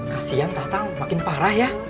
kasian tatang makin parah ya